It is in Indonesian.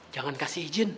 jangan kasih izin